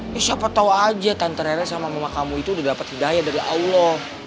ya siapa tau aja tantere sama mama kamu itu udah dapat hidayah dari allah